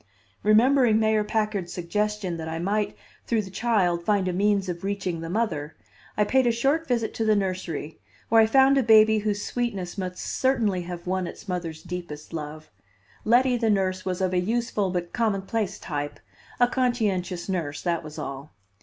Remembering Mayor Packard's suggestion that I might through the child find a means of reaching the mother, I paid a short visit to the nursery where I found a baby whose sweetness must certainly have won its mother's deepest love. Letty, the nurse, was of a useful but commonplace type, a conscientious nurse, that was all.